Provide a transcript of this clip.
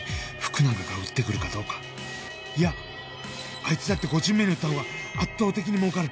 あいつだって５巡目に撃った方が圧倒的にもうかる